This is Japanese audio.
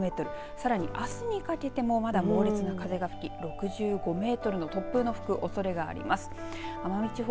さらにあすにかけてもまだ猛烈な風が吹き６５メートルの突風が吹くおそれがあります。